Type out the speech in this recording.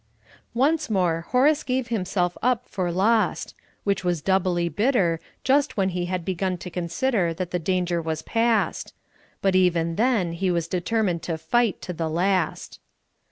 Once more Horace gave himself up for lost; which was doubly bitter, just when he had begun to consider that the danger was past. But even then, he was determined to fight to the last.